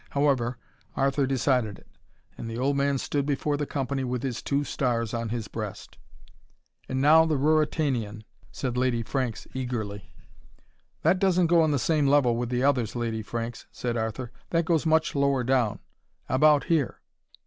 However, Arthur decided it: and the old man stood before the company with his two stars on his breast. "And now the Ruritanian," said Lady Franks eagerly. "That doesn't go on the same level with the others, Lady Franks," said Arthur. "That goes much lower down about here."